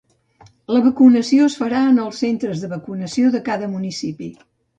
La vacunació es farà en els centres de vacunació de cada municipi.